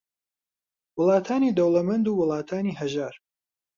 وڵاتانی دەوڵەمەند و وڵاتانی ھەژار